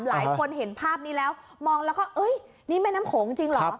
หลายคนเห็นภาพนี้แล้วมองแล้วก็นี่แม่น้ำโขงจริงเหรอ